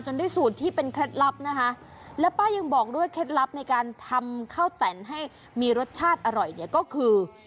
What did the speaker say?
ได้สูตรที่เป็นเคล็ดลับนะคะแล้วป้ายังบอกด้วยเคล็ดลับในการทำข้าวแต่นให้มีรสชาติอร่อยเนี่ยก็คือ